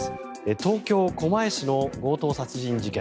東京・狛江市の強盗殺人事件。